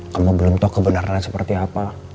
kamu belum tau kebenaran seperti apa